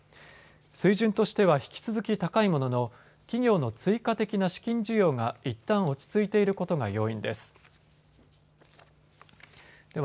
水準としては引き続き高いものの企業の追加的な資金需要がいったん落ち着いていることが要因です。